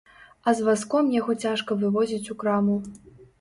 А з вазком яго цяжка вывозіць у краму.